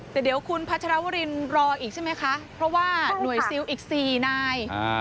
แต่เดี๋ยวคุณพัชรวรินรออีกใช่ไหมคะเพราะว่าหน่วยซิลอีก๔นาย